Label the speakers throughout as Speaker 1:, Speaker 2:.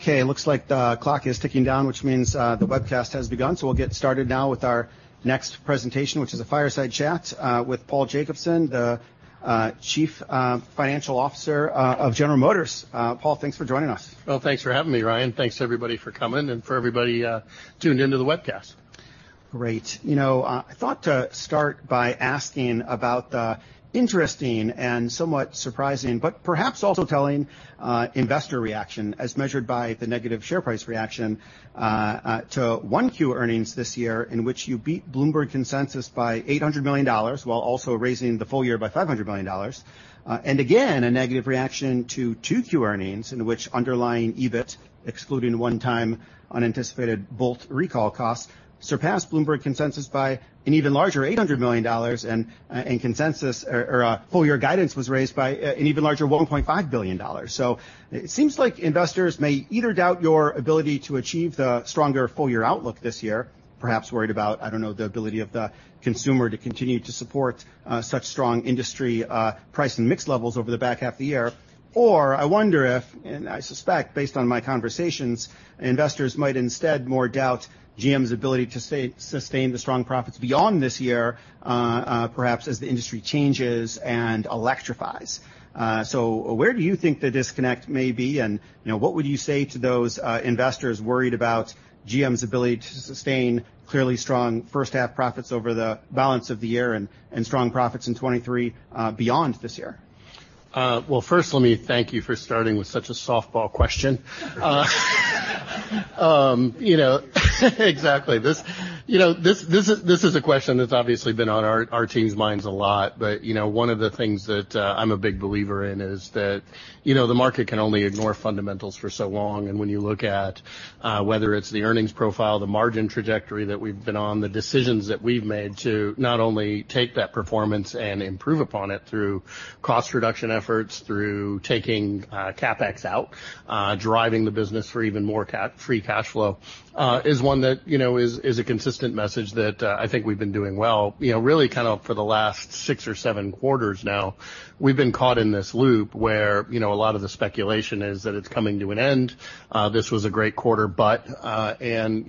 Speaker 1: Okay, it looks like the clock is ticking down, which means the webcast has begun. We'll get started now with our next presentation, which is a fireside chat with Paul Jacobson, the Chief Financial Officer of General Motors. Paul, thanks for joining us.
Speaker 2: Well, thanks for having me, Ryan. Thanks, everybody, for coming and for everybody, tuned into the webcast.
Speaker 1: Great. You know, I thought to start by asking about the interesting and somewhat surprising, but perhaps also telling, investor reaction as measured by the negative share price reaction to 1Q earnings this year, in which you beat Bloomberg consensus by $800 million, while also raising the full year by $500 million. Again, a negative reaction to 2Q earnings, in which underlying EBIT, excluding one-time unanticipated Bolt recall costs, surpassed Bloomberg consensus by an even larger $800 million and consensus or full year guidance was raised by an even larger $1.5 billion. It seems like investors may either doubt your ability to achieve the stronger full-year outlook this year, perhaps worried about, I don't know, the ability of the consumer to continue to support, such strong industry, price and mix levels over the back half of the year. I wonder if, and I suspect based on my conversations, investors might instead more doubt GM's ability to sustain the strong profits beyond this year, perhaps as the industry changes and electrifies. Where do you think the disconnect may be? You know, what would you say to those investors worried about GM's ability to sustain clearly strong first half profits over the balance of the year and, strong profits in 2023, beyond this year?
Speaker 2: Well, first, let me thank you for starting with such a softball question. You know, exactly. This. You know, this, this is, this is a question that's obviously been on our, our team's minds a lot. You know, one of the things that I'm a big believer in is that, you know, the market can only ignore fundamentals for so long. When you look at whether it's the earnings profile, the margin trajectory that we've been on, the decisions that we've made to not only take that performance and improve upon it through cost reduction efforts, through taking CapEx out, driving the business for even more free cash flow, is one that, you know, is, is a consistent message that I think we've been doing well. You know, really kind of for the last six or seven quarters now, we've been caught in this loop where, you know, a lot of the speculation is that it's coming to an end. This was a great quarter, but...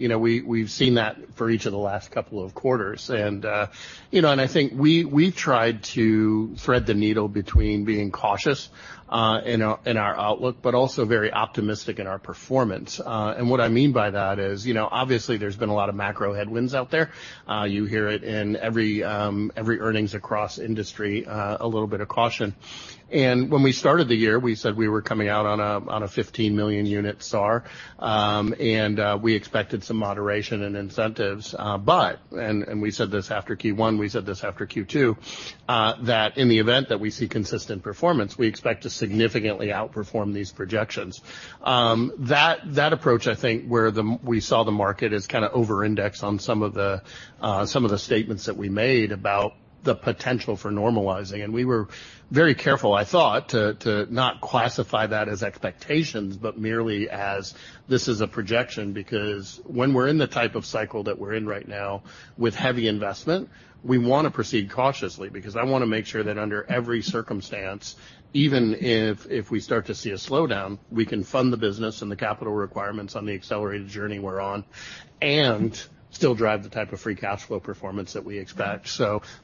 Speaker 2: You know, we, we've seen that for each of the last couple of quarters. You know, and I think we, we've tried to thread the needle between being cautious in our, in our outlook, but also very optimistic in our performance. What I mean by that is, you know, obviously, there's been a lot of macro headwinds out there. You hear it in every, every earnings across industry, a little bit of caution. When we started the year, we said we were coming out on a, on a 15 million unit SAAR, and we expected some moderation and incentives. But, We said this after Q1, we said this after Q2, that in the event that we see consistent performance, we expect to significantly outperform these projections. That, that approach, I think, where the we saw the market as kind of over-index on some of the, some of the statements that we made about the potential for normalizing, and we were very careful, I thought, to, to not classify that as expectations, but merely as this is a projection. Because when we're in the type of cycle that we're in right now with heavy investment, we want to proceed cautiously because I want to make sure that under every circumstance, even if, if we start to see a slowdown, we can fund the business and the capital requirements on the accelerated journey we're on and still drive the type of free cash flow performance that we expect.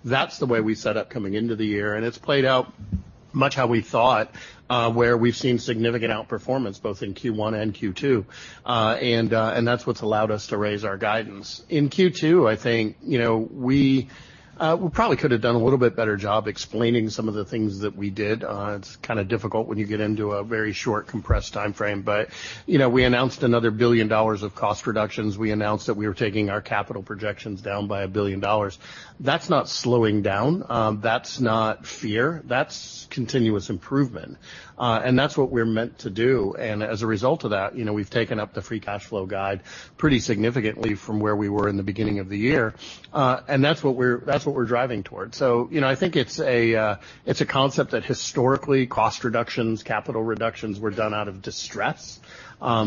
Speaker 2: That's the way we set up coming into the year, and it's played out much how we thought, where we've seen significant outperformance both in Q1 and Q2. That's what's allowed us to raise our guidance. In Q2, I think, you know, we, we probably could have done a little bit better job explaining some of the things that we did. It's kind of difficult when you get into a very short, compressed timeframe, but, you know, we announced another $1 billion of cost reductions. We announced that we were taking our capital projections down by $1 billion. That's not slowing down. That's not fear. That's continuous improvement, and that's what we're meant to do. As a result of that, you know, we've taken up the free cash flow guide pretty significantly from where we were in the beginning of the year. That's what we're, that's what we're driving towards. You know, I think it's a, it's a concept that historically, cost reductions, capital reductions were done out of distress.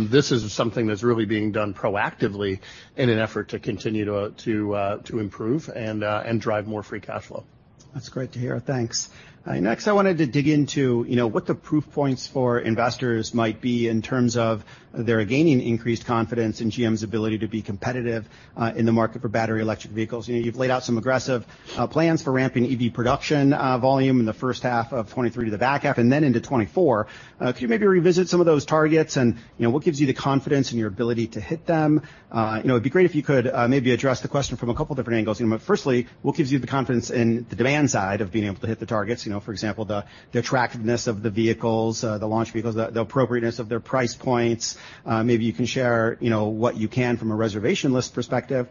Speaker 2: This is something that's really being done proactively in an effort to continue to, to improve and drive more Free Cash Flow.
Speaker 1: That's great to hear. Thanks. Next, I wanted to dig into, you know, what the proof points for investors might be in terms of their gaining increased confidence in GM's ability to be competitive in the market for battery electric vehicles. You know, you've laid out some aggressive plans for ramping EV production volume in the first half of 2023 to the back half and then into 2024. Could you maybe revisit some of those targets? You know, what gives you the confidence in your ability to hit them? You know, it'd be great if you could maybe address the question from a couple different angles. Firstly, what gives you the confidence in the demand side of being able to hit the targets? You know, for example, the, the attractiveness of the vehicles, the launch vehicles, the, the appropriateness of their price points. Maybe you can share, you know, what you can from a reservation list perspective.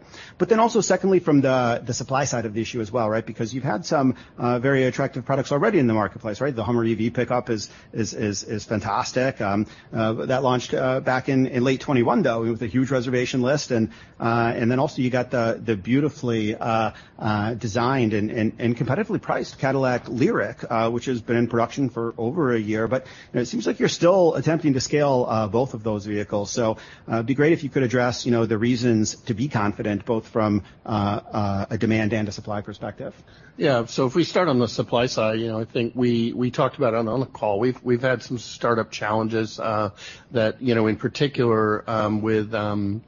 Speaker 1: Secondly, from the, the supply side of the issue as well, right? You've had some very attractive products already in the marketplace, right? The Hummer EV pickup is fantastic. That launched back in late 2021, though, with a huge reservation list. You got the beautifully designed and competitively priced Cadillac LYRIQ, which has been in production for over a year. You know, it seems like you're still attempting to scale both of those vehicles. It'd be great if you could address, you know, the reasons to be confident, both from a demand and a supply perspective.
Speaker 2: Yeah. If we start on the supply side, you know, I think we, we talked about it on the call. We've, we've had some startup challenges that, you know, in particular, with a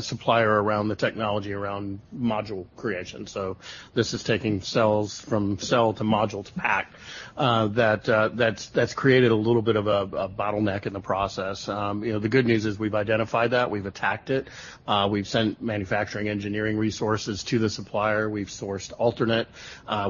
Speaker 2: supplier around the technology, around module creation. This is taking cells from cell to module to pack. That's created a little bit of a bottleneck in the process. You know, the good news is we've identified that, we've attacked it, we've sent manufacturing engineering resources to the supplier. We've sourced alternate.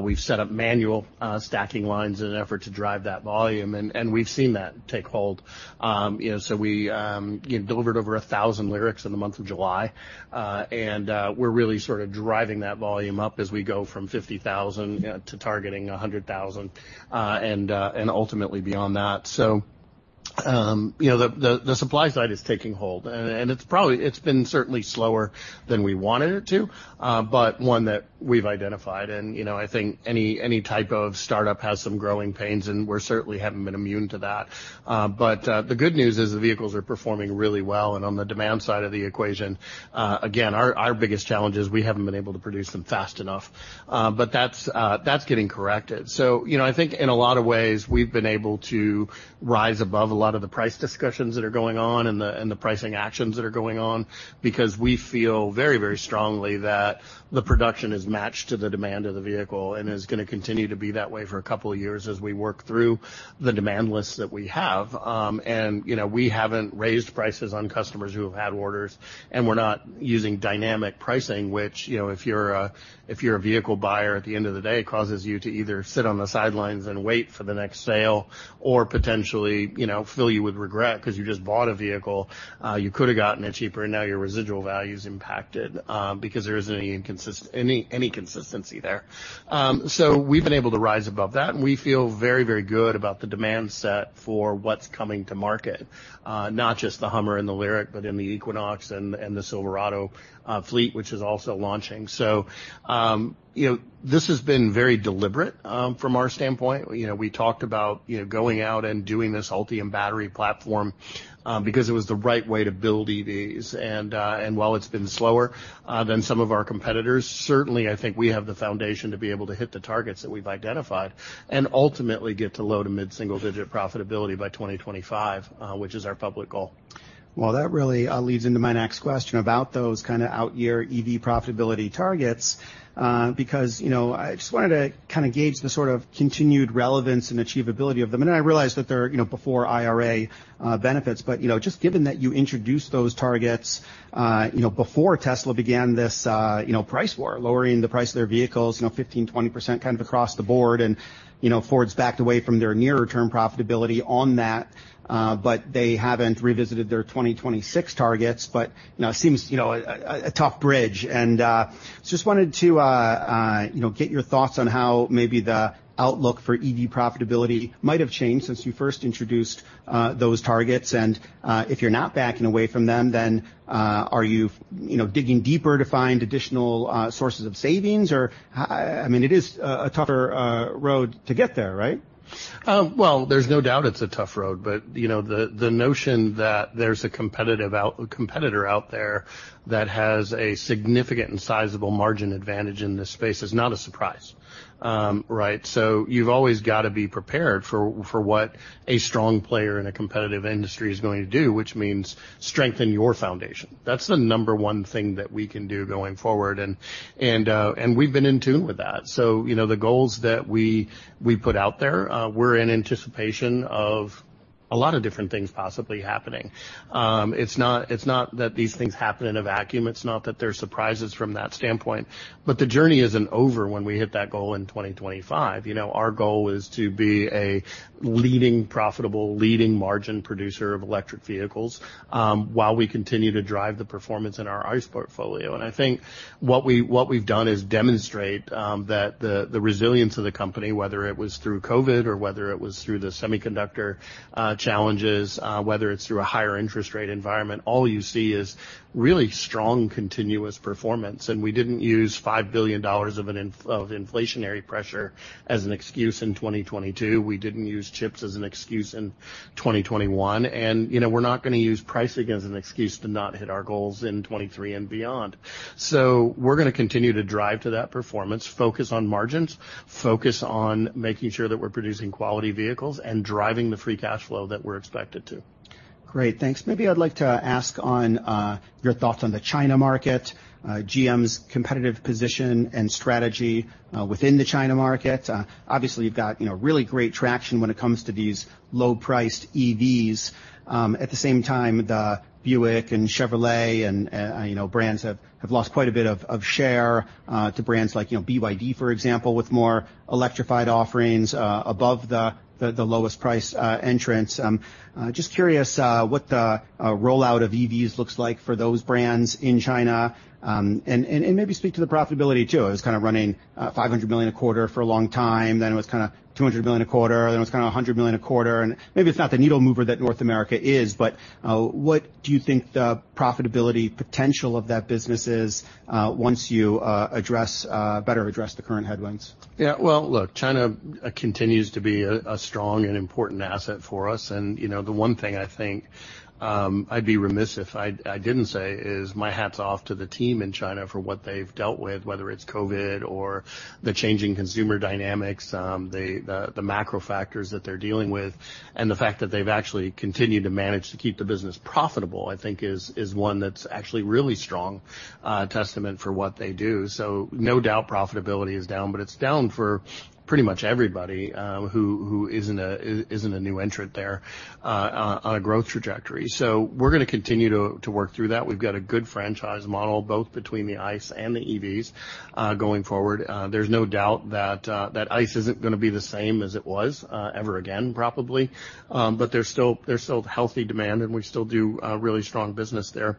Speaker 2: We've set up manual stacking lines in an effort to drive that volume, and we've seen that take hold. You know, we, you know, delivered over 1,000 Lyriqs in the month of July. We're really sort of driving that volume up as we go from 50,000 to targeting 100,000 and ultimately beyond that. You know, the, the supply side is taking hold, and, and it's been certainly slower than we wanted it to, but one that we've identified. You know, I think any, any type of startup has some growing pains, and we're certainly haven't been immune to that. The good news is the vehicles are performing really well, and on the demand side of the equation, again, our, our biggest challenge is we haven't been able to produce them fast enough. That's getting corrected. You know, I think in a lot of ways, we've been able to rise above a lot of the price discussions that are going on and the, and the pricing actions that are going on because we feel very, very strongly that the production is matched to the demand of the vehicle and is gonna continue to be that way for a couple of years as we work through the demand list that we have. You know, we haven't raised prices on customers who have had orders, and we're not using dynamic pricing, which, you know, if you're a vehicle buyer, at the end of the day, causes you to either sit on the sidelines and wait for the next sale or potentially, you know, fill you with regret 'cause you just bought a vehicle. You could have gotten it cheaper, and now your residual value is impacted, because there isn't any inconsistent-- any consistency there. We've been able to rise above that, and we feel very, very good about the demand set for what's coming to market, not just the Hummer and the Lyriq, but in the Equinox and the Silverado, fleet, which is also launching. You know, this has been very deliberate, from our standpoint. You know, we talked about, you know, going out and doing this Ultium battery platform, because it was the right way to build EVs. While it's been slower than some of our competitors, certainly, I think we have the foundation to be able to hit the targets that we've identified and ultimately get to low- to mid-single-digit profitability by 2025, which is our public goal.
Speaker 1: Well, that really leads into my next question about those kind of out-year EV profitability targets. Because, you know, I just wanted to kind of gauge the sort of continued relevance and achievability of them. I realize that they're, you know, before IRA benefits, but, you know, just given that you introduced those targets, you know, before Tesla began this, you know, price war, lowering the price of their vehicles, you know, 15%-20% kind of across the board. Ford's backed away from their nearer term profitability on that, but they haven't revisited their 2026 targets. It seems, you know, a, a, a tough bridge. Just wanted to, you know, get your thoughts on how maybe the outlook for EV profitability might have changed since you first introduced those targets. If you're not backing away from them, then are you, you know, digging deeper to find additional sources of savings? I, I mean, it is a tougher road to get there, right?
Speaker 2: Well, there's no doubt it's a tough road, you know, the, the notion that there's a competitive competitor out there that has a significant and sizable margin advantage in this space is not a surprise. Right? You've always got to be prepared for, for what a strong player in a competitive industry is going to do, which means strengthen your foundation. That's the number one thing that we can do going forward, and, and we've been in tune with that. You know, the goals that we, we put out there, were in anticipation of a lot of different things possibly happening. It's not, it's not that these things happen in a vacuum. It's not that they're surprises from that standpoint, but the journey isn't over when we hit that goal in 2025. You know, our goal is to be a leading profitable, leading margin producer of electric vehicles, while we continue to drive the performance in our ICE portfolio. I think what we, what we've done is demonstrate that the, the resilience of the company, whether it was through COVID or whether it was through the semiconductor challenges, whether it's through a higher interest rate environment, all you see is really strong, continuous performance. We didn't use $5 billion of inflationary pressure as an excuse in 2022. We didn't use chips as an excuse in 2021. You know, we're not gonna use pricing as an excuse to not hit our goals in 2023 and beyond. We're gonna continue to drive to that performance, focus on margins, focus on making sure that we're producing quality vehicles, and driving the Free Cash Flow that we're expected to.
Speaker 1: Great. Thanks. Maybe I'd like to ask on your thoughts on the China market, GM's competitive position, and strategy within the China market. Obviously, you've got, you know, really great traction when it comes to these low-priced EVs. At the same time, the Buick and Chevrolet and, you know, brands have, have lost quite a bit of, of share to brands like, you know, BYD, for example, with more electrified offerings above the, the, the lowest price entrants. Just curious what the rollout of EVs looks like for those brands in China. Maybe speak to the profitability, too. It was kind of running, $500 million a quarter for a long time, then it was kind of $200 million a quarter, then it was kind of $100 million a quarter, and maybe it's not the needle mover that North America is, but, what do you think the profitability potential of that business is, once you address better address the current headwinds?
Speaker 2: Well, look, China continues to be a, a strong and important asset for us, and, you know, the one thing I think, I'd be remiss if I didn't say is, my hat's off to the team in China for what they've dealt with, whether it's COVID or the changing consumer dynamics, the, the, the macro factors that they're dealing with, and the fact that they've actually continued to manage to keep the business profitable, I think is, is one that's actually a really strong testament for what they do. No doubt profitability is down, but it's down for pretty much everybody, who, who isn't a, isn't a new entrant there, on a growth trajectory. We're gonna continue to, to work through that. We've got a good franchise model, both between the ICE and the EVs, going forward. There's no doubt that ICE isn't gonna be the same as it was ever again, probably. There's still, there's still healthy demand, and we still do really strong business there.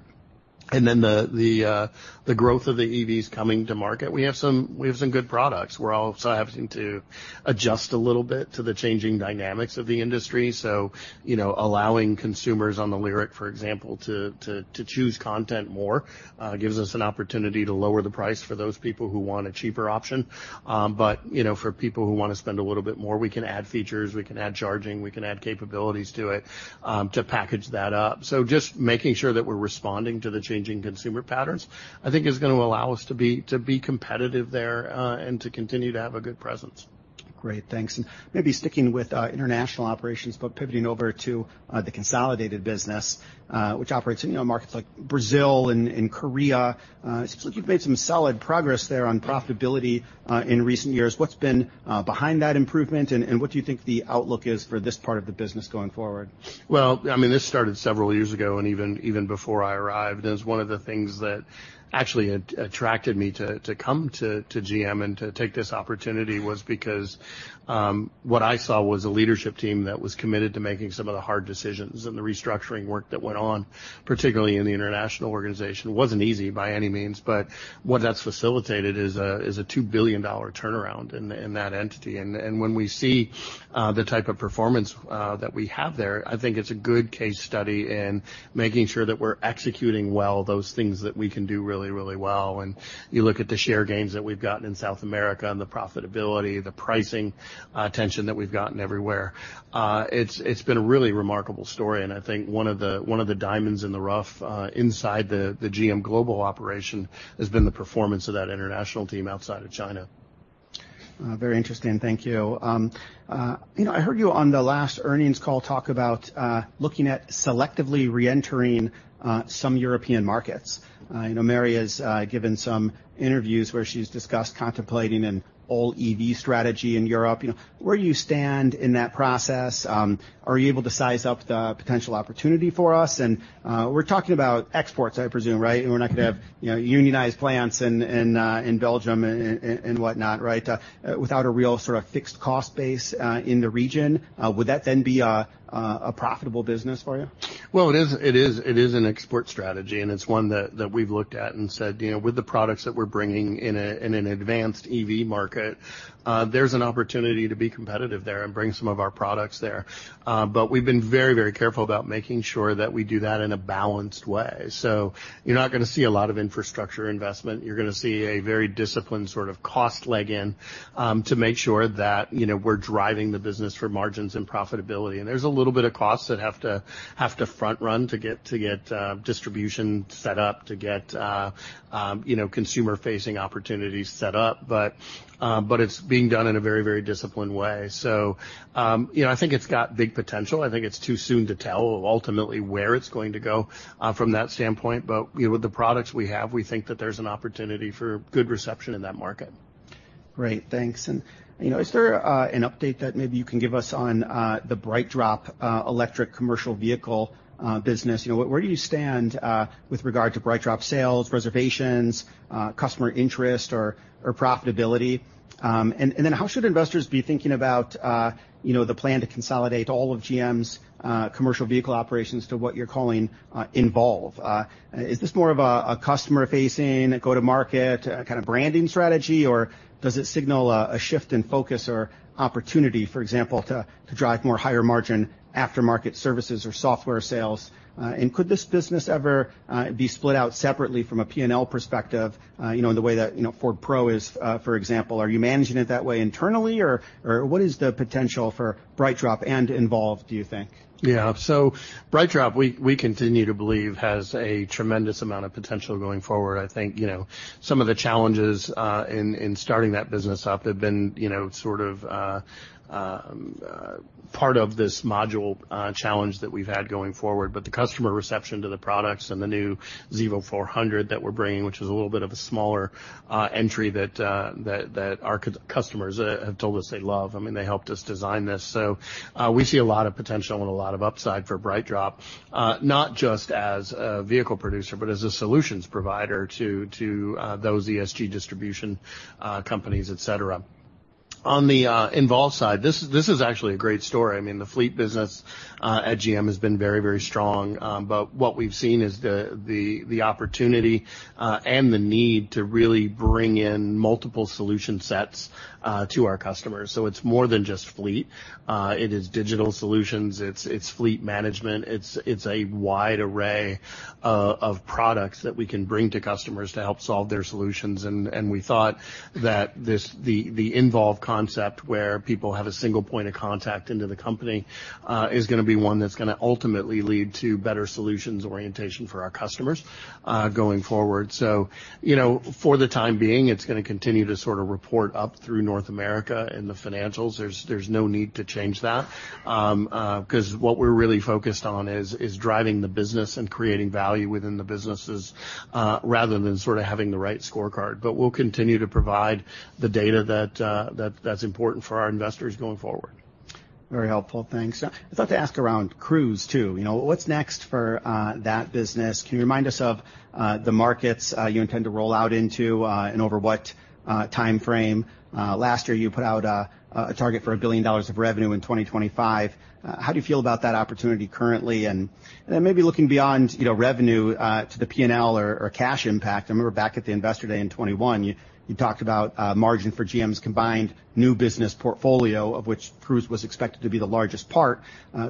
Speaker 2: The, the growth of the EVs coming to market, we have some, we have some good products. We're also having to adjust a little bit to the changing dynamics of the industry. You know, allowing consumers on the Lyriq, for example, to choose content more, gives us an opportunity to lower the price for those people who want a cheaper option. You know, for people who want to spend a little bit more, we can add features, we can add charging, we can add capabilities to it to package that up. Just making sure that we're responding to the changing consumer patterns, I think, is going to allow us to be, to be competitive there, and to continue to have a good presence.
Speaker 1: Great, thanks. Maybe sticking with international operations, but pivoting over to the consolidated business, which operates in, you know, markets like Brazil and Korea. It seems like you've made some solid progress there on profitability in recent years. What's been behind that improvement, and what do you think the outlook is for this part of the business going forward?
Speaker 2: Well, I mean, this started several years ago, and even, even before I arrived, as one of the things that actually attracted me to come to GM and to take this opportunity was because what I saw was a leadership team that was committed to making some of the hard decisions. The restructuring work that went on, particularly in the international organization, wasn't easy by any means, but what that's facilitated is a $2 billion turnaround in that entity. When we see the type of performance that we have there, I think it's a good case study in making sure that we're executing well those things that we can do really, really well. You look at the share gains that we've gotten in South America and the profitability, the pricing, tension that we've gotten everywhere, it's, it's been a really remarkable story, and I think one of the, one of the diamonds in the rough, inside the, the GM global operation has been the performance of that international team outside of China.
Speaker 1: Very interesting. Thank you. You know, I heard you on the last earnings call talk about looking at selectively reentering some European markets. I know Mary has given some interviews where she's discussed contemplating an all-EV strategy in Europe. You know, where do you stand in that process? Are you able to size up the potential opportunity for us? We're talking about exports, I presume, right? We're not going to have, you know, unionized plants in Belgium and whatnot, right? Without a real sort of fixed cost base in the region, would that then be a profitable business for you?
Speaker 2: It is, it is, it is an export strategy, and it's one that, that we've looked at and said, you know, with the products that we're bringing in an advanced EV market, there's an opportunity to be competitive there and bring some of our products there. We've been very, very careful about making sure that we do that in a balanced way. You're not going to see a lot of infrastructure investment. You're going to see a very disciplined sort of cost leg in to make sure that, you know, we're driving the business for margins and profitability. There's a little bit of costs that have to, have to front run to get, to get distribution set up, to get, you know, consumer-facing opportunities set up. It's being done in a very, very disciplined way. You know, I think it's got big potential. I think it's too soon to tell ultimately where it's going to go from that standpoint. You know, with the products we have, we think that there's an opportunity for good reception in that market.
Speaker 1: Great, thanks. You know, is there an update that maybe you can give us on the BrightDrop electric commercial vehicle business? You know, where do you stand with regard to BrightDrop sales, reservations, customer interest or profitability? Then how should investors be thinking about, you know, the plan to consolidate all of GM's commercial vehicle operations to what you're calling Envolve? Is this more of a customer-facing, a go-to-market kind of branding strategy, or does it signal a shift in focus or opportunity, for example, to drive more higher margin aftermarket services or software sales? Could this business ever be split out separately from a P&L perspective, you know, in the way that, you know, Ford Pro is, for example? Are you managing it that way internally, or, or what is the potential for BrightDrop and Envolve, do you think?
Speaker 2: Yeah. BrightDrop, we, we continue to believe, has a tremendous amount of potential going forward. I think, you know, some of the challenges in, in starting that business up have been, you know, sort of part of this module challenge that we've had going forward. The customer reception to the products and the new Zevo 400 that we're bringing, which is a little bit of a smaller entry that, that, that our customers have told us they love. I mean, they helped us design this. We see a lot of potential and a lot of upside for BrightDrop, not just as a vehicle producer, but as a solutions provider to, to those ESG distribution companies, et cetera. On the Envolve side, this, this is actually a great story. I mean, the fleet business at GM has been very, very strong. What we've seen is the, the, the opportunity and the need to really bring in multiple solution sets to our customers. It's more than just fleet. It is digital solutions. It's, it's fleet management. It's, it's a wide array of products that we can bring to customers to help solve their solutions. We thought that this, the Envolve concept, where people have a single point of contact into the company, is going to be one that's going to ultimately lead to better solutions orientation for our customers going forward. You know, for the time being, it's going to continue to sort of report up through North America in the financials. There's no need to change that, because what we're really focused on is driving the business and creating value within the businesses, rather than sort of having the right scorecard. We'll continue to provide the data that's important for our investors going forward.
Speaker 1: Very helpful. Thanks. I'd thought to ask around Cruise, too. You know, what's next for that business? Can you remind us of the markets you intend to roll out into and over what time frame? Last year, you put out a target for $1 billion of revenue in 2025. How do you feel about that opportunity currently? Maybe looking beyond, you know, revenue, to the P&L or cash impact. I remember back at the Investor Day in 2021, you, you talked about margin for GM's combined new business portfolio, of which Cruise was expected to be the largest part,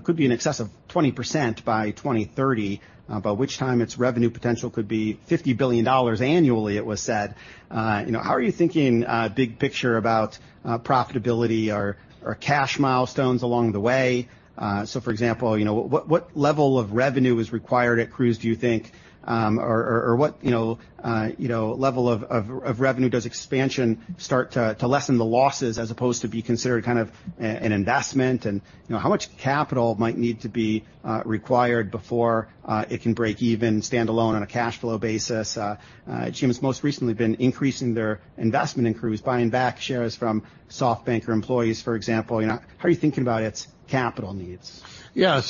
Speaker 1: could be in excess of 20% by 2030, by which time its revenue potential could be $50 billion annually, it was said. You know, how are you thinking, big picture about profitability or cash milestones along the way? For example, you know, what, what level of revenue is required at Cruise, do you think? What, you know, you know, level of, of, of revenue does expansion start to, to lessen the losses as opposed to be considered kind of an investment, and, you know, how much capital might need to be required before it can break even standalone on a cash flow basis? GM has most recently been increasing their investment in Cruise, buying back shares from SoftBank or employees, for example. You know, how are you thinking about its capital needs?
Speaker 2: Yeah,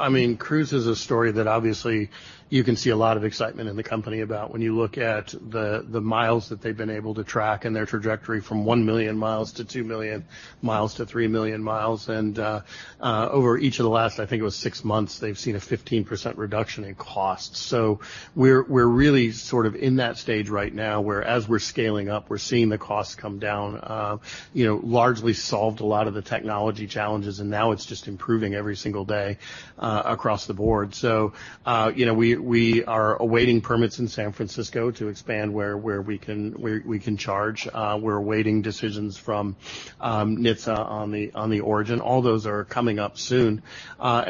Speaker 2: I mean, Cruise is a story that obviously you can see a lot of excitement in the company about when you look at the, the miles that they've been able to track and their trajectory from 1 million mi to 2 million mi to 3 million mi, and over each of the last, I think it was six months, they've seen a 15% reduction in costs. We're, we're really sort of in that stage right now, where as we're scaling up, we're seeing the costs come down. You know, largely solved a lot of the technology challenges, and now it's just improving every single day across the board. You know, we, we are awaiting permits in San Francisco to expand where we can charge. We're awaiting decisions from NHTSA on the, on the Origin. All those are coming up soon,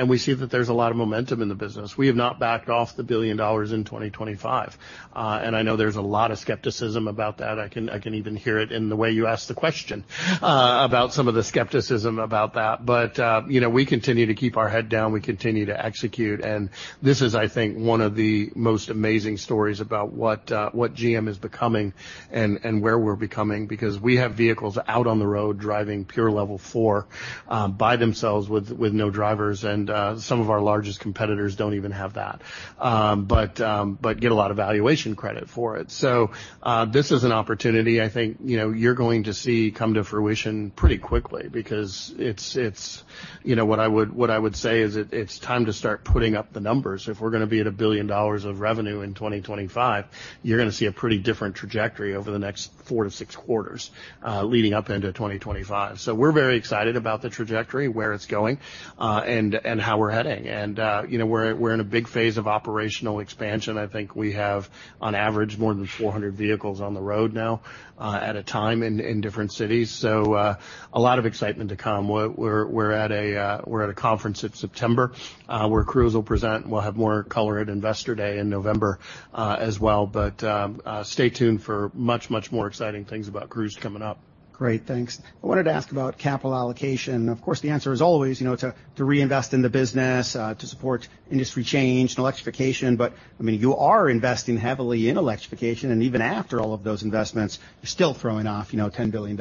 Speaker 2: we see that there's a lot of momentum in the business. We have not backed off the $1 billion in 2025. I know there's a lot of skepticism about that. I can even hear it in the way you asked the question about some of the skepticism about that. You know, we continue to keep our head down. We continue to execute, and this is, I think, one of the most amazing stories about what GM is becoming and, and where we're becoming, because we have vehicles out on the road driving pure Level 4 by themselves with, with no drivers, and some of our largest competitors don't even have that. But get a lot of valuation credit for it. This is an opportunity I think, you know, you're going to see come to fruition pretty quickly because it's, it's... You know, what I would, what I would say is it, it's time to start putting up the numbers. If we're going to be at $1 billion of revenue in 2025, you're going to see a pretty different trajectory over the next 4-6 quarters leading up into 2025. We're very excited about the trajectory, where it's going, and, and how we're heading. You know, we're, we're in a big phase of operational expansion. I think we have, on average, more than 400 vehicles on the road now at a time in, in different cities. A lot of excitement to come. We're, we're at a, we're at a conference in September, where Cruise will present, and we'll have more color at Investor Day in November, as well. Stay tuned for much, much more exciting things about Cruise coming up.
Speaker 1: Great, thanks. I wanted to ask about capital allocation. Of course, the answer is always, you know, to, to reinvest in the business, to support industry change and electrification, but, I mean, you are investing heavily in electrification, and even after all of those investments, you're still throwing off, you know, $10 billion,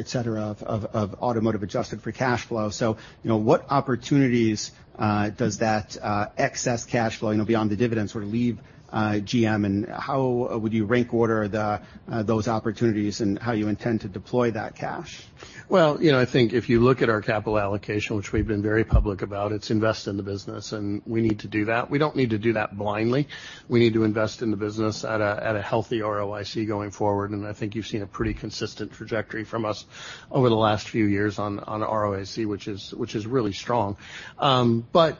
Speaker 1: et cetera, of, of, of automotive adjusted for cash flow. You know, what opportunities does that excess cash flow, you know, beyond the dividends, sort of leave GM, and how would you rank order the those opportunities and how you intend to deploy that cash?
Speaker 2: Well, you know, I think if you look at our capital allocation, which we've been very public about, it's invest in the business, and we need to do that. We don't need to do that blindly. We need to invest in the business at a healthy ROIC going forward, and I think you've seen a pretty consistent trajectory from us over the last few years on, on ROIC, which is, which is really strong.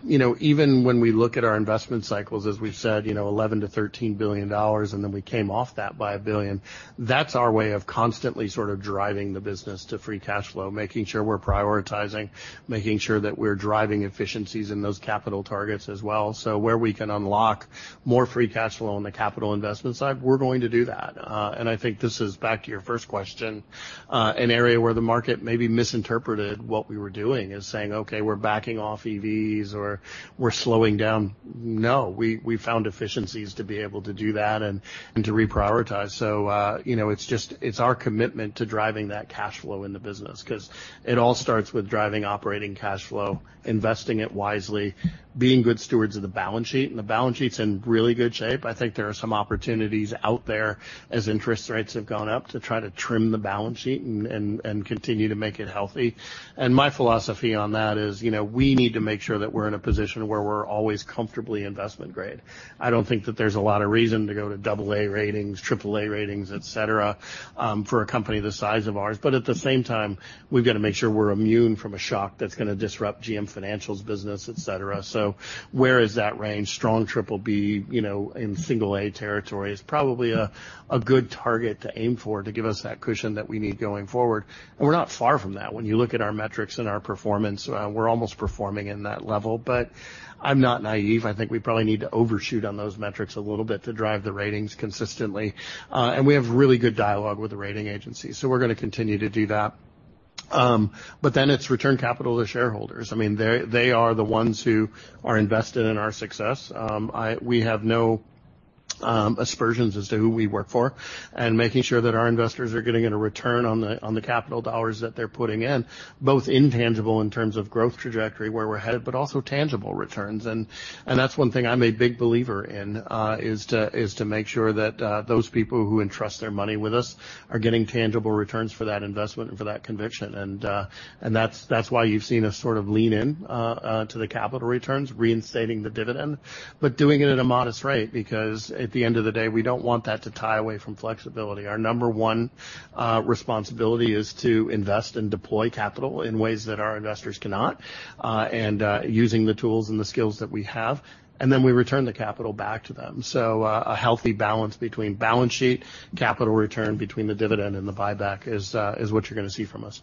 Speaker 2: You know, even when we look at our investment cycles, as we've said, you know, $11 billion-$13 billion, and then we came off that by $1 billion, that's our way of constantly sort of driving the business to Free Cash Flow, making sure we're prioritizing, making sure that we're driving efficiencies in those capital targets as well. Where we can unlock more Free Cash Flow on the capital investment side, we're going to do that. I think this is back to your first question, an area where the market maybe misinterpreted what we were doing as saying, "Okay, we're backing off EVs, or we're slowing down." No. We, we found efficiencies to be able to do that and, and to reprioritize. You know, it's our commitment to driving that cash flow in the business, 'cause it all starts with driving operating cash flow, investing it wisely, being good stewards of the balance sheet, and the balance sheet's in really good shape. I think there are some opportunities out there, as interest rates have gone up, to try to trim the balance sheet and, and, and continue to make it healthy. My philosophy on that is, you know, we need to make sure that we're in a position where we're always comfortably investment grade. I don't think that there's a lot of reason to go to AA ratings, AAA ratings, et cetera, for a company the size of ours, but at the same time, we've got to make sure we're immune from a shock that's going to disrupt GM Financial's business, et cetera. Where is that range? Strong BBB, you know, in single A territory is probably a, a good target to aim for to give us that cushion that we need going forward. We're not far from that. When you look at our metrics and our performance, we're almost performing in that level. I'm not naive. I think we probably need to overshoot on those metrics a little bit to drive the ratings consistently. We have really good dialogue with the rating agencies, so we're going to continue to do that. Then it's return capital to shareholders. I mean, they, they are the ones who are invested in our success. We have no aspersions as to who we work for, and making sure that our investors are getting a return on the, on the capital dollars that they're putting in, both intangible in terms of growth trajectory, where we're headed, but also tangible returns. That's one thing I'm a big believer in, is to, is to make sure that, those people who entrust their money with us are getting tangible returns for that investment and for that conviction. That's, that's why you've seen us sort of lean in, to the capital returns, reinstating the dividend, but doing it at a modest rate, because at the end of the day, we don't want that to tie away from flexibility. Our number one, responsibility is to invest and deploy capital in ways that our investors cannot, and, using the tools and the skills that we have, and then we return the capital back to them. A healthy balance between balance sheet, capital return, between the dividend and the buyback is, is what you're going to see from us.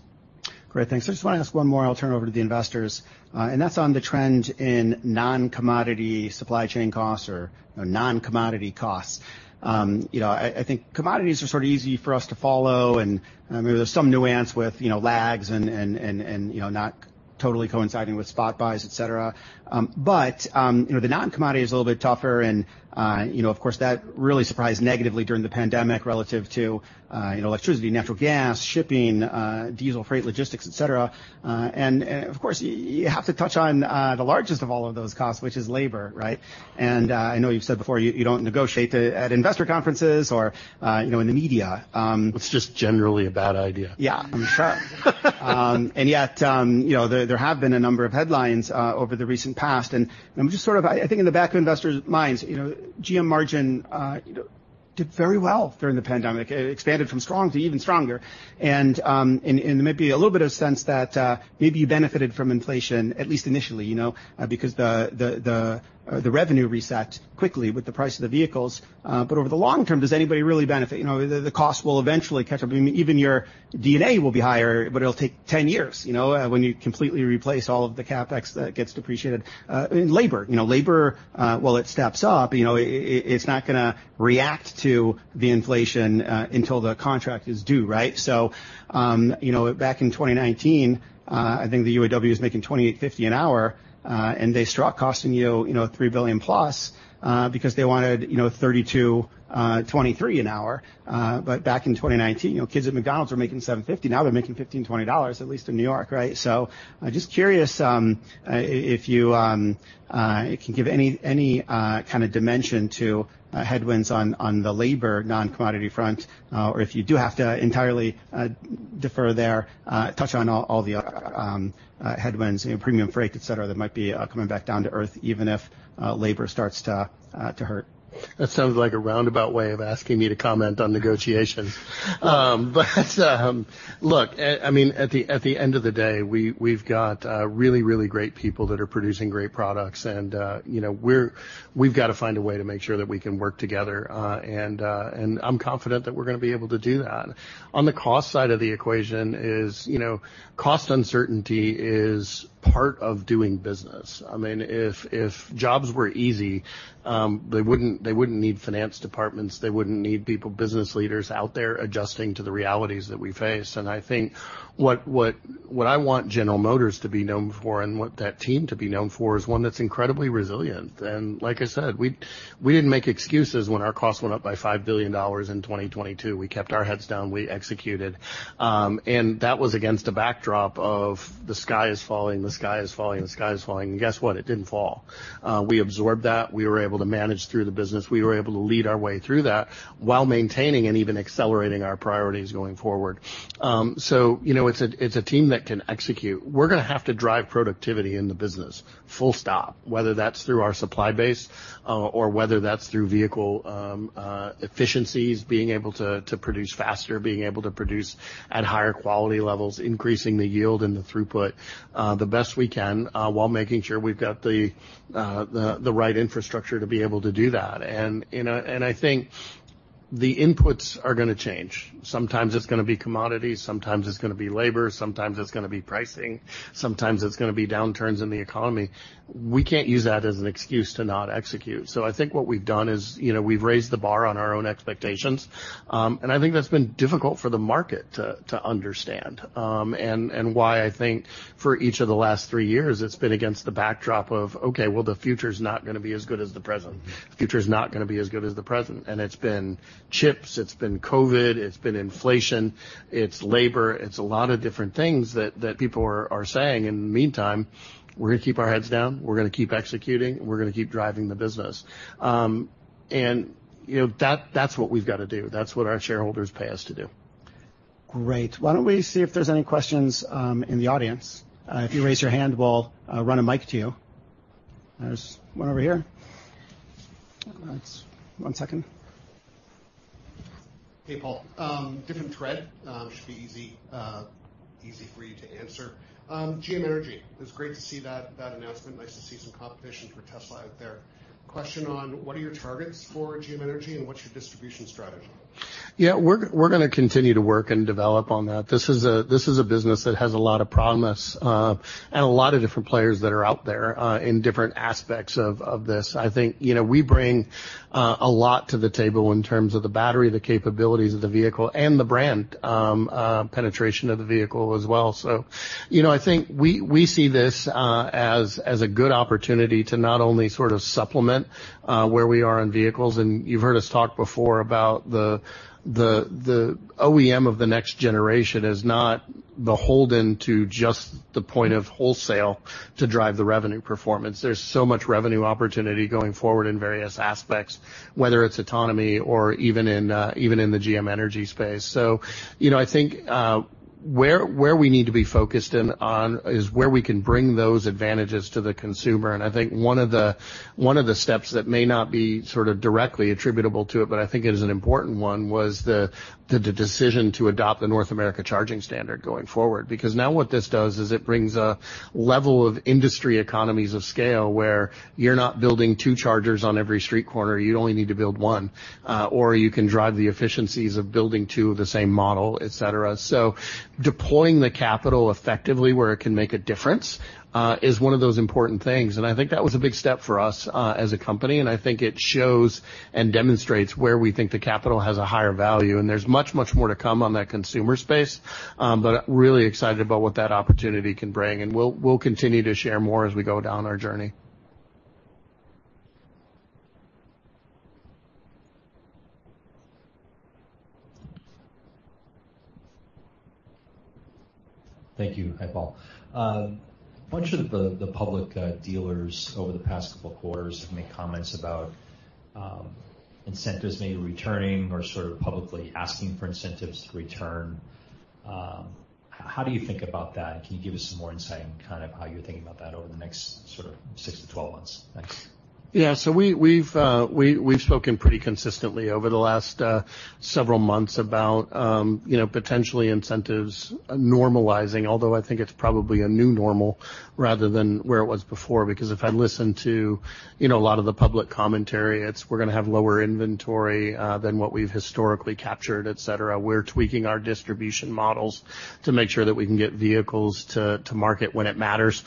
Speaker 1: Great, thanks. I just want to ask one more, I'll turn it over to the investors, and that's on the trend in non-commodity supply chain costs or non-commodity costs. You know, I, I think commodities are sort of easy for us to follow, and maybe there's some nuance with, you know, lags and, and, and, you know, not totally coinciding with spot buys, et cetera. You know, the non-commodity is a little bit tougher and, you know, of course, that really surprised negatively during the pandemic relative to, you know, electricity, natural gas, shipping, diesel freight, logistics, et cetera. Of course, you have to touch on the largest of all of those costs, which is labor, right? I know you've said before, you, you don't negotiate at investor conferences or, you know, in the media...
Speaker 2: It's just generally a bad idea.
Speaker 1: Yeah, I'm sure. Yet, you know, there, there have been a number of headlines over the recent past, and I'm just sort of I think in the back of investors' minds, you know, GM margin did very well during the pandemic. It expanded from strong to even stronger, and, and maybe a little bit of sense that maybe you benefited from inflation, at least initially, you know, because the, the, the, the revenue reset quickly with the price of the vehicles, but over the long term, does anybody really benefit? You know, the cost will eventually catch up. Even your D&A will be higher, but it'll take 10 years, you know, when you completely replace all of the CapEx that gets depreciated. Labor, you know, labor, while it steps up, you know, it, it's not going to react to the inflation until the contract is due, right? You know, back in 2019, I think the UAW was making $28.50 an hour, and they struck, costing you, you know, $3 billion+, because they wanted, you know, $32.23 an hour, but back in 2019, you know, kids at McDonald's were making $7.50. Now, they're making $15-$20, at least in New York, right? I'm just curious, if you can give any, any kind of dimension to headwinds on, on the labor non-commodity front, or if you do have to entirely defer there, touch on all, all the other headwinds, you know, premium freight, et cetera, that might be coming back down to earth, even if labor starts to hurt?
Speaker 2: That sounds like a roundabout way of asking me to comment on negotiations. Look, I, I mean, at the, at the end of the day, we-we've got really, really great people that are producing great products, and, you know, we're- we've got to find a way to make sure that we can work together, and, and I'm confident that we're going to be able to do that. On the cost side of the equation is, you know, cost uncertainty is part of doing business. I mean, if, if jobs were easy, they wouldn't, they wouldn't need finance departments, they wouldn't need people, business leaders out there adjusting to the realities that we face. I think what, what, what I want General Motors to be known for and what that team to be known for is one that's incredibly resilient. Like I said, we, we didn't make excuses when our costs went up by $5 billion in 2022. We kept our heads down, we executed. That was against a backdrop of the sky is falling, the sky is falling, the sky is falling. Guess what? It didn't fall. We absorbed that. We were able to manage through the business. We were able to lead our way through that while maintaining and even accelerating our priorities going forward. You know, it's a, it's a team that can execute. We're going to have to drive productivity in the business, full stop, whether that's through our supply base, or whether that's through vehicle efficiencies, being able to produce faster, being able to produce at higher quality levels, increasing the yield and the throughput, the best we can, while making sure we've got the right infrastructure to be able to do that. You know, and I think the inputs are going to change. Sometimes it's going to be commodities, sometimes it's going to be labor, sometimes it's going to be pricing, sometimes it's going to be downturns in the economy. We can't use that as an excuse to not execute. I think what we've done is, you know, we've raised the bar on our own expectations, and I think that's been difficult for the market to understand. And why I think for each of the last three years, it's been against the backdrop of, okay, well, the future's not going to be as good as the present. The future is not going to be as good as the present, and it's been chips, it's been COVID, it's been inflation, it's labor. It's a lot of different things that, that people are, are saying. In the meantime, we're going to keep our heads down, we're going to keep executing, we're going to keep driving the business. You know, that-that's what we've got to do. That's what our shareholders pay us to do.
Speaker 1: Great. Why don't we see if there's any questions in the audience? If you raise your hand, we'll run a mic to you. There's one over here. One second.
Speaker 3: Hey, Paul. different thread. should be easy, easy for you to answer. GM Energy, it's great to see that, that announcement. Nice to see some competition for Tesla out there. Question on, what are your targets for GM Energy, and what's your distribution strategy?
Speaker 2: Yeah, we're, we're going to continue to work and develop on that. This is a, this is a business that has a lot of promise, and a lot of different players that are out there, in different aspects of, of this. I think, you know, we bring a lot to the table in terms of the battery, the capabilities of the vehicle, and the brand, penetration of the vehicle as well. You know, I think we, we see this as, as a good opportunity to not only sort of supplement, where we are on vehicles, and you've heard us talk before about the, the, the OEM of the next generation beholden to just the point of wholesale to drive the revenue performance. There's so much revenue opportunity going forward in various aspects, whether it's autonomy or even in, even in the GM Energy space. You know, I think, where, where we need to be focused in on is where we can bring those advantages to the consumer. I think one of the, one of the steps that may not be sort of directly attributable to it, but I think it is an important one, was the, the decision to adopt the North American Charging Standard going forward. Now what this does is it brings a level of industry economies of scale, where you are not building two chargers on every street corner, you only need to build one, or you can drive the efficiencies of building two of the same model, et cetera. Deploying the capital effectively where it can make a difference, is one of those important things, and I think that was a big step for us, as a company, and I think it shows and demonstrates where we think the capital has a higher value. There's much, much more to come on that consumer space, but really excited about what that opportunity can bring, and we'll, we'll continue to share more as we go down our journey.
Speaker 4: Thank you. Hi, Paul. a bunch of the, the public, dealers over the past couple of quarters have made comments about, incentives maybe returning or sort of publicly asking for incentives to return. How do you think about that? Can you give us some more insight on kind of how you're thinking about that over the next sort of 6-12 months? Thanks.
Speaker 2: We, we've, we, we've spoken pretty consistently over the last several months about, you know, potentially incentives normalizing, although I think it's probably a new normal rather than where it was before, because if I listen to, you know, a lot of the public commentary, it's we're going to have lower inventory than what we've historically captured, et cetera. We're tweaking our distribution models to make sure that we can get vehicles to, to market when it matters,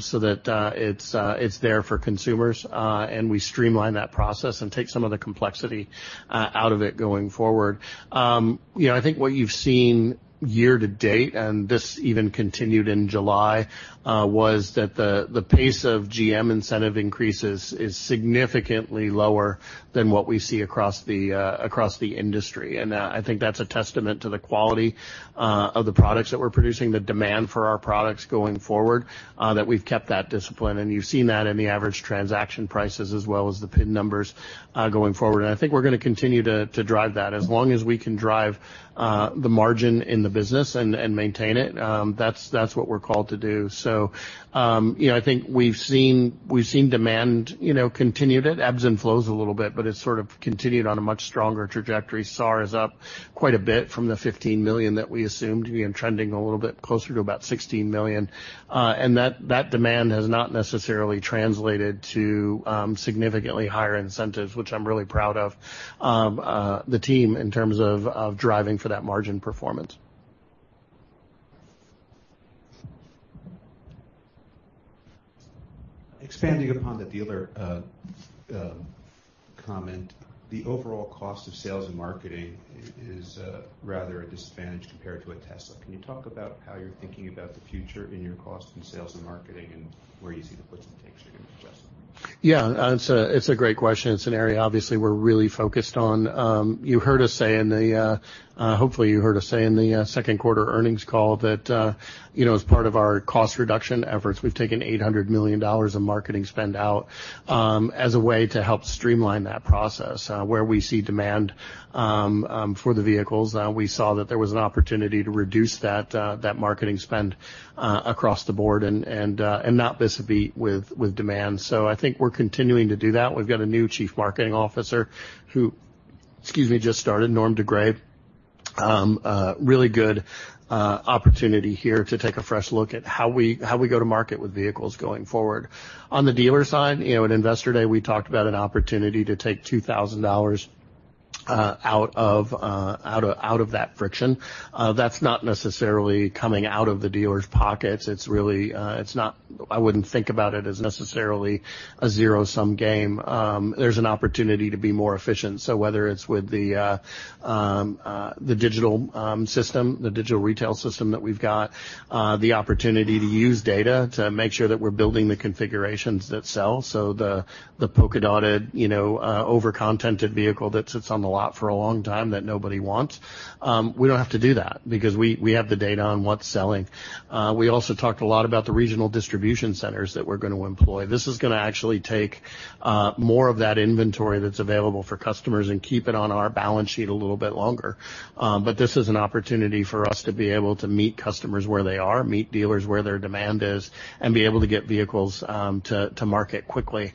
Speaker 2: so that it's there for consumers, and we streamline that process and take some of the complexity out of it going forward. You know, I think what you've seen year to date, and this even continued in July, was that the, the pace of GM incentive increases is significantly lower than what we see across the, across the industry. I think that's a testament to the quality of the products that we're producing, the demand for our products going forward, that we've kept that discipline. You've seen that in the average transaction prices as well as the PIN numbers going forward. I think we're going to continue to, to drive that. As long as we can drive the margin in the business and, and maintain it, that's, that's what we're called to do. You know, I think we've seen, we've seen demand, you know, continued. It ebbs and flows a little bit, but it's sort of continued on a much stronger trajectory. SAAR is up quite a bit from the $15 million that we assumed, to be trending a little bit closer to about $16 million. That demand has not necessarily translated to significantly higher incentives, which I'm really proud of, the team in terms of, of driving for that margin performance.
Speaker 5: Expanding upon the dealer, comment, the overall cost of sales and marketing is rather a disadvantage compared to a Tesla. Can you talk about how you're thinking about the future in your cost and sales and marketing, and where you see the puts and takes are going to adjust?
Speaker 2: Yeah, it's a great question. It's an area, obviously, we're really focused on. Hopefully, you heard us say in the second quarter earnings call that, you know, as part of our cost reduction efforts, we've taken $800 million of marketing spend out as a way to help streamline that process where we see demand for the vehicles. We saw that there was an opportunity to reduce that marketing spend across the board and, and not this be with, with demand. I think we're continuing to do that. We've got a new Chief Marketing Officer who, excuse me, just started, Norm de Greve. A really good opportunity here to take a fresh look at how we, how we go to market with vehicles going forward. On the dealer side, you know, at Investor Day, we talked about an opportunity to take $2,000 out of that friction. That's not necessarily coming out of the dealers' pockets. It's really, it's not. I wouldn't think about it as necessarily a zero-sum game. There's an opportunity to be more efficient. Whether it's with the digital system, the digital retail system that we've got, the opportunity to use data to make sure that we're building the configurations that sell, so the polka dotted, you know, over-contented vehicle that sits on the lot for a long time that nobody wants, we don't have to do that because we, we have the data on what's selling. We also talked a lot about the regional distribution centers that we're going to employ. This is going to actually take more of that inventory that's available for customers and keep it on our balance sheet a little bit longer. This is an opportunity for us to be able to meet customers where they are, meet dealers where their demand is, and be able to get vehicles to market quickly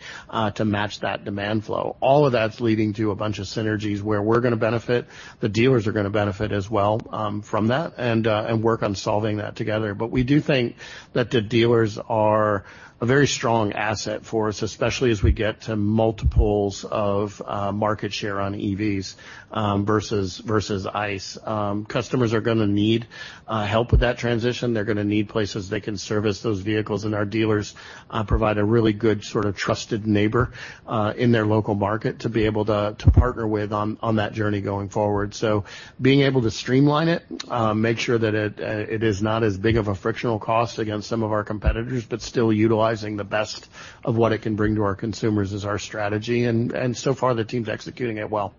Speaker 2: to match that demand flow. All of that's leading to a bunch of synergies where we're going to benefit, the dealers are going to benefit as well from that, and work on solving that together. We do think that the dealers are a very strong asset for us, especially as we get to multiples of market share on EVs versus ICE. Customers are gonna need help with that transition. They're gonna need places they can service those vehicles. Our dealers provide a really good sort of trusted neighbor in their local market to be able to partner with on that journey going forward. Being able to streamline it, make sure that it is not as big of a frictional cost against some of our competitors, but still utilizing the best of what it can bring to our consumers is our strategy. So far, the team's executing it well.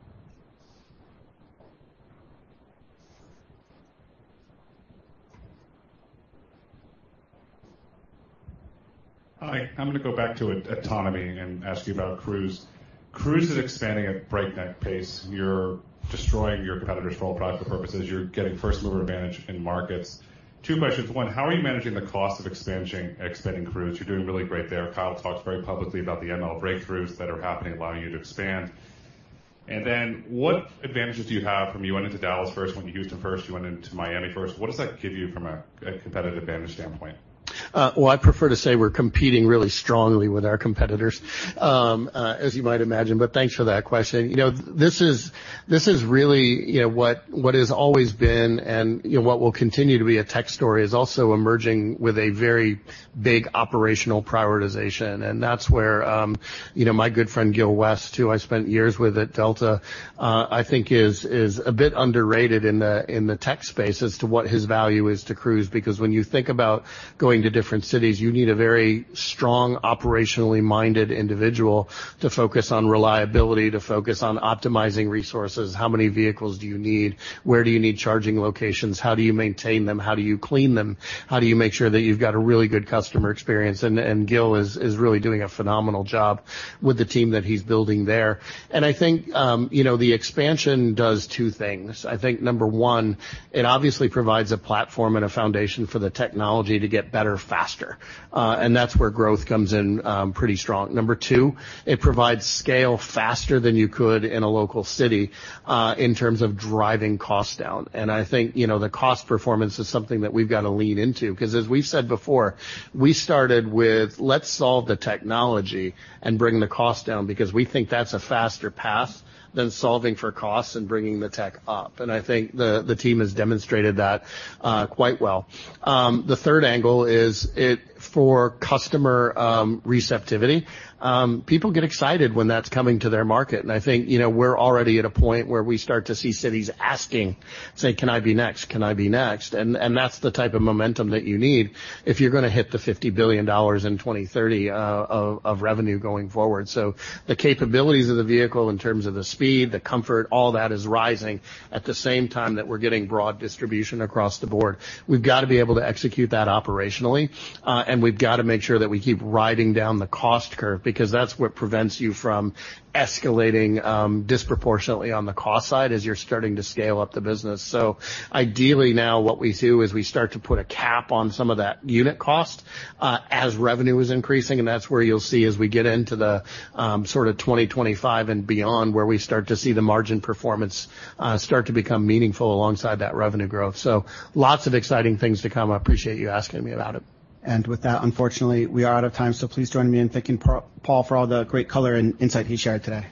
Speaker 6: Hi, I'm going to go back to autonomy and ask you about Cruise. Cruise is expanding at breakneck pace. You're destroying your competitors for all practical purposes. You're getting first mover advantage in markets. Two questions. One, how are you managing the cost of expanding Cruise? You're doing really great there. Kyle talks very publicly about the ML breakthroughs that are happening, allowing you to expand. What advantages do you have from you went into Dallas first, went to Houston first, you went into Miami first. What does that give you from a, a competitive advantage standpoint?
Speaker 2: Well, I prefer to say we're competing really strongly with our competitors, as you might imagine, but thanks for that question. You know, this is, this is really, you know, what, what has always been and, you know, what will continue to be a tech story, is also emerging with a very big operational prioritization. That's where, you know, my good friend, Gil West, who I spent years with at Delta, I think is, is a bit underrated in the, in the tech space as to what his value is to Cruise. Because when you think about going to different cities, you need a very strong, operationally-minded individual to focus on reliability, to focus on optimizing resources. How many vehicles do you need? Where do you need charging locations? How do you maintain them? How do you clean them? How do you make sure that you've got a really good customer experience? Gil is really doing a phenomenal job with the team that he's building there. I think, you know, the expansion does two things. I think, number one, it obviously provides a platform and a foundation for the technology to get better, faster. That's where growth comes in, pretty strong. Number two, it provides scale faster than you could in a local city, in terms of driving costs down. I think, you know, the cost performance is something that we've got to lean into, because as we've said before, we started with, "Let's solve the technology and bring the cost down, because we think that's a faster path than solving for costs and bringing the tech up." I think the, the team has demonstrated that quite well. The third angle is it for customer receptivity. People get excited when that's coming to their market, and I think, you know, we're already at a point where we start to see cities asking, saying, "Can I be next? Can I be next?" That's the type of momentum that you need if you're going to hit the $50 billion in 2030 of, of revenue going forward. The capabilities of the vehicle in terms of the speed, the comfort, all that is rising at the same time that we're getting broad distribution across the board. We've got to be able to execute that operationally, and we've got to make sure that we keep riding down the cost curve, because that's what prevents you from escalating disproportionately on the cost side as you're starting to scale up the business. Ideally, now, what we do is we start to put a cap on some of that unit cost as revenue is increasing, and that's where you'll see as we get into the sort of 2025 and beyond, where we start to see the margin performance start to become meaningful alongside that revenue growth. Lots of exciting things to come. I appreciate you asking me about it.
Speaker 1: With that, unfortunately, we are out of time, so please join me in thanking Paul, Paul, for all the great color and insight he shared today.